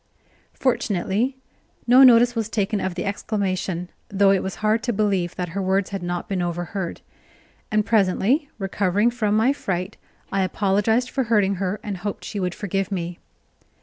Fortunately, no notice was taken of the exclamation, though it was hard to believe that her words had not been overheard; and presently, recovering from my fright, I apologized for hurting her, and hoped she would forgive me.